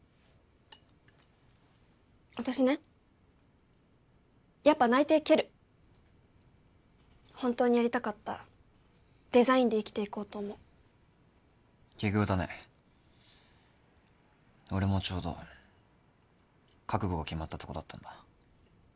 私ねやっぱ内定蹴る本当にやりたかったデザインで生きていこうと思う奇遇だね俺もちょうど覚悟が決まったとこだったんだ